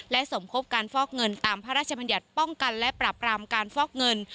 สมคบการฟอกเงินตามพระราชบัญญัติป้องกันและปรับรามการฟอกเงิน